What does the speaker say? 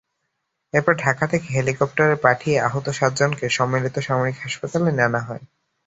এরপর ঢাকা থেকে হেলিকপ্টার পাঠিয়ে আহত সাতজনকে সম্মিলিত সামরিক হাসপাতালে আনা হয়।